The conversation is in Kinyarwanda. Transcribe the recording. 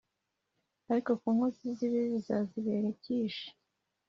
Ariko ku nkozi z ibibi bizazibera icyishi